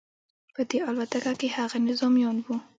په دې الوتکه کې هغه نظامیان وو